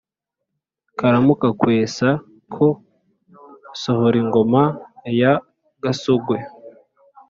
karamuka-kwesa ka sohoringoma ya gasogwe,